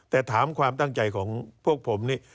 แต่ถามความตั้งใจของพวกผมนี่